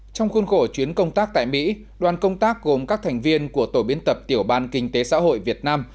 trong khuôn khổ chuyến công tác tại mỹ đoàn công tác gồm các thành viên của tổ biên tập tiểu ban kinh tế xã hội việt nam